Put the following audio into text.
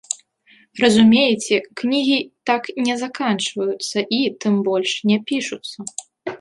Разумееце, кнігі так не заканчваюцца і, тым больш, не пішуцца!